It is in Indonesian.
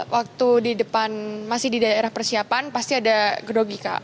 waktu di depan masih di daerah persiapan pasti ada gedogi kak